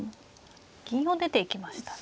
銀を出ていきましたね。